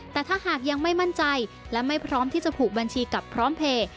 แต่ถ้าหากยังไม่มั่นใจและไม่พร้อมที่จะผูกบัญชีกับพร้อมเพลย์